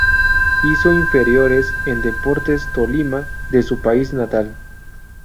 Hizo inferiores en Deportes Tolima de su país natal.